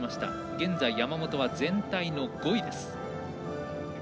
現在山本は全体の５位です。